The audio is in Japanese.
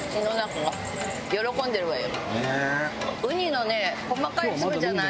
ウニのね細かい粒じゃない？